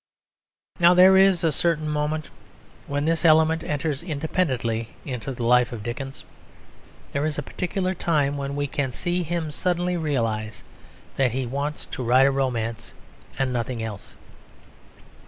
Now there is a certain moment when this element enters independently into the life of Dickens. There is a particular time when we can see him suddenly realise that he wants to write a romance and nothing else.